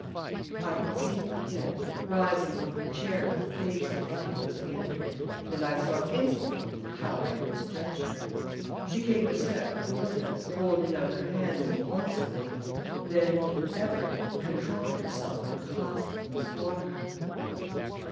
I can see her yet, rising from her chair with face alight, as we entered, and I saw instantly how I had misjudged her. She came a step toward us, holding out her hands impulsively; then, with an effort, controlled herself and clasped them before her.